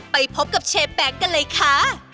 ไปพบกับเชฟแมงกันเลยคะ